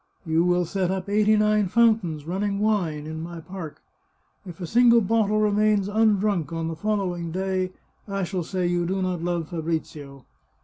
You will set up eighty nine fountains running wine in my park. If a single bottle remains undrunk on the following day, I shall say you do not love Fabrizio.